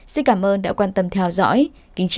xin cảm ơn đã quan tâm theo dõi kính chào và hẹn gặp lại